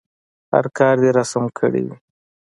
هر کار دې راسم کړی وي.